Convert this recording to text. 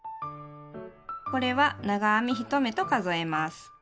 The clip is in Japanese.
これは長編み１目と数えます。